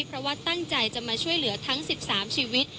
เพราะว่าตั้งใจจะมาช่วยเหลือทั้ง๑๓ชีวิต